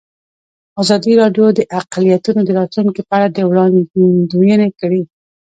ازادي راډیو د اقلیتونه د راتلونکې په اړه وړاندوینې کړې.